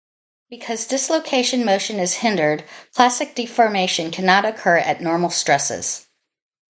Because dislocation motion is hindered, plastic deformation cannot occur at normal stresses.